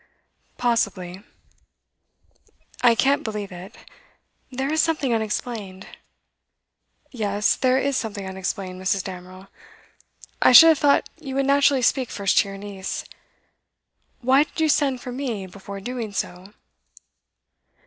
'Possibly.' 'I can't believe it. There is something unexplained.' 'Yes, there is something unexplained. Mrs. Damerel, I should have thought you would naturally speak first to your niece. Why did you send for me before doing so?